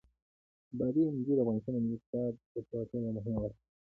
بادي انرژي د افغانستان د ملي اقتصاد د پیاوړتیا یوه مهمه برخه ده.